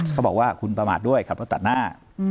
เขาบอกว่าคุณประมาทด้วยขับรถตัดหน้า